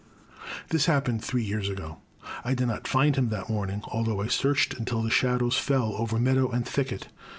This happened three years ago; I did not find him that morning although I searched until the shadows fell over meadow and thicket.